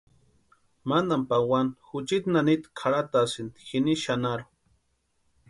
Mantani pawani juchiti nanita kʼarhatasïnti jini xanharhu.